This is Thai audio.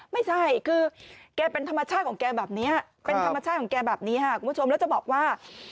ไม่ใช่คือแกเป็นธรรมชาติของแกแบบนี้คุณผู้ชมแล้วจะบอกว่า